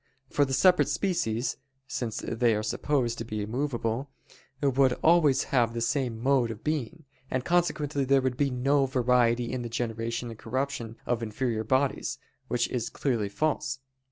For the separate species, since they are supposed to be immovable, would always have the same mode of being: and consequently there would be no variety in the generation and corruption of inferior bodies: which is clearly false.